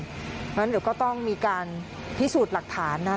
เพราะฉะนั้นเดี๋ยวก็ต้องมีการพิสูจน์หลักฐานนะ